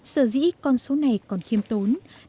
sở dĩ con số này còn khiêm tốn